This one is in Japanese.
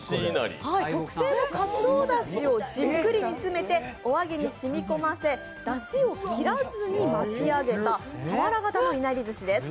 特製のかつおだしをじっくり煮詰めておあげに染み込ませだしを切らずに巻き上げた俵型のいなりずしです。